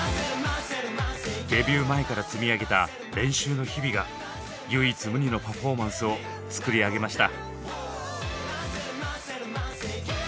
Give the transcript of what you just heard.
デビュー前から積み上げた練習の日々が唯一無二のパフォーマンスを作り上げました。